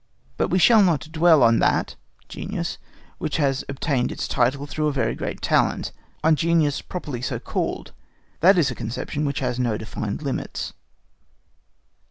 But we shall not dwell on that (genius) which has obtained its title through a very great talent, on genius properly so called, that is a conception which has no defined limits.